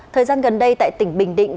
thời gian gần đây tại tỉnh bình định